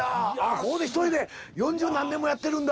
ここで１人で四十何年もやってるんだ。